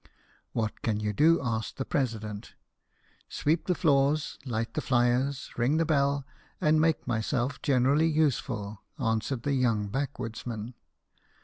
" What can you do ?" asked the president. "Sweep the floors, light the fires, ring the bell, and make myself generally useful," answered the young back woodsman.